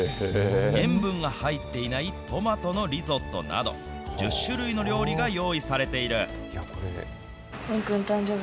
塩分が入っていないトマトのリゾットなど、１０種類の料理が用意されている。